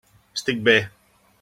Estic bé.